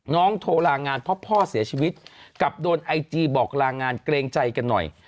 โทรลางานเพราะพ่อเสียชีวิตกลับโดนไอจีบอกลางานเกรงใจกันหน่อย